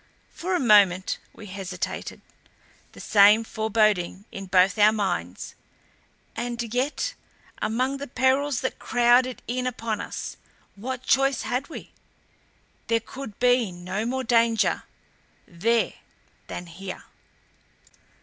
For a moment we hesitated, the same foreboding in both our minds. And yet among the perils that crowded in upon us what choice had we? There could be no more danger there than here.